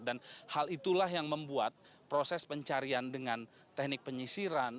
dan hal itulah yang membuat proses pencarian dengan teknik penyisiran